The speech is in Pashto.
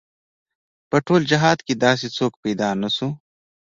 په ټول جهاد کې داسې څوک پيدا نه شو.